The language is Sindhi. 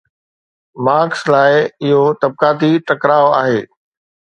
مارڪس لاءِ اهو طبقاتي ٽڪراءُ آهي.